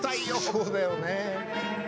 そうだよね。